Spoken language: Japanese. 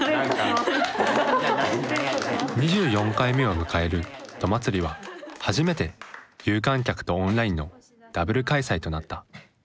２４回目を迎えるどまつりは初めて有観客とオンラインのダブル開催となった。